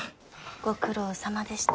ご苦労さまでした。